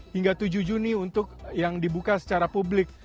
hingga tujuh juni untuk yang dibuka secara publik